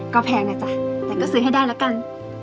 ก็แพงนะจ๊ะแต่ก็ซื้อให้ได้แล้วกัน